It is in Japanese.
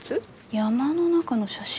山の中の写真？